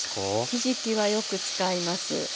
ひじきはよく使います。